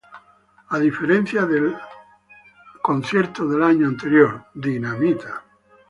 A diferencia del evento del año anterior, Dynamite!!